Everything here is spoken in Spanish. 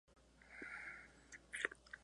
Posteriormente se agregaron Philips e Hitachi.